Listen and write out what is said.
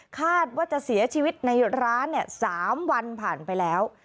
คาดว่าจะเสียชีวิตในร้าน๓วันผ่านไปแล้ว